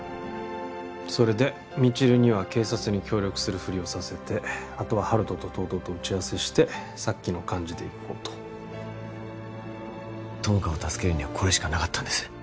それで未知留には警察に協力するふりをさせてあとは温人と東堂と打ち合わせしてさっきの感じでいこうと友果を助けるにはこれしかなかったんです